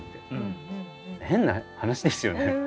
変な話ですよね。